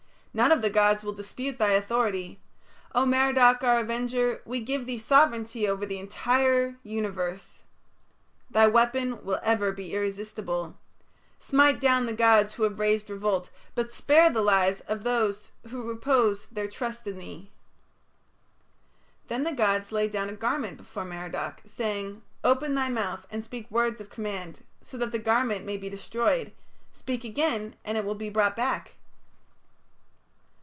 None of the gods will dispute thy authority. O Merodach, our avenger, we give thee sovereignty over the entire Universe. Thy weapon will ever be irresistible. Smite down the gods who have raised revolt, but spare the lives of those who repose their trust in thee." Then the gods laid down a garment before Merodach, saying: "Open thy mouth and speak words of command, so that the garment may be destroyed; speak again and it will be brought back."